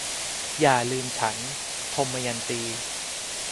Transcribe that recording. อย่าลืมฉัน - ทมยันตี